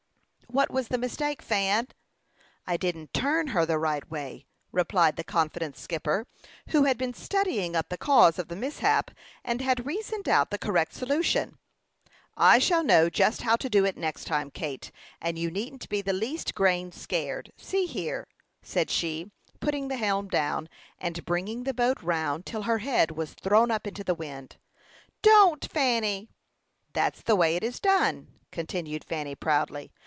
"What was the mistake, Fan?" "I didn't turn her the right way," replied the confident skipper, who had been studying up the cause of the mishap and had reasoned out the correct solution. "I shall know just how to do it next time, Kate, and you needn't be the least grain scared. See here," said she, putting the helm down, and bringing the boat round till her head was thrown up into the wind. "Don't, Fanny!" "That's the way it is done," continued Fanny, proudly.